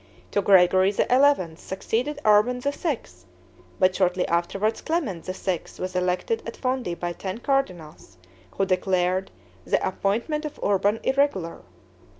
To Gregory XI., succeeded Urban VI., but shortly afterwards Clement VI. was elected at Fondi by ten cardinals, who declared the appointment of Urban irregular.